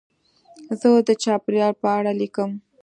زه د چاپېریال په اړه لیکم.